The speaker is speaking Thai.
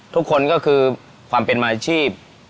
ทุกคนก็คือความเป็นมาอาชีพ